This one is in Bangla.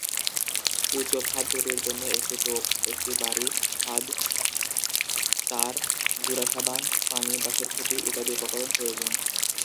উচ্চ ফাঁদ তৈরির জন্য একটি টোপ, একটি বারি ফাঁদ, তার, গুঁড়া সাবান, পানি, বাঁশের খুঁটি ইত্যাদি উপকরণ প্রয়োজন।